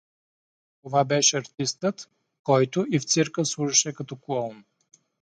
Това беше артистът, който и в цирка служеше като клоун.